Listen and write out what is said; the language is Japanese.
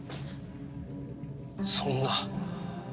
そんな。